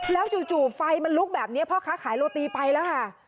แล้วจู่ไฟมันลุกแบบนี้พ่อค้าขายโรตีไปแล้วค่ะ